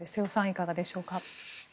いかがでしょうか？